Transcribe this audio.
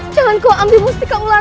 jangan kau ambil mustika ulang